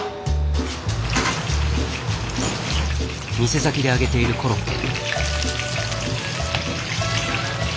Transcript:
店先で揚げているコロッケ。